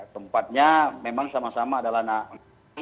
tempatnya memang sama sama adalah